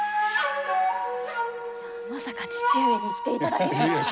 まさか父上に来ていただけるとは。